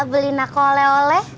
beliin aku oleh oleh